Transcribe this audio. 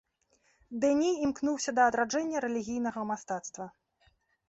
Дэні імкнуўся да адраджэння рэлігійнага мастацтва.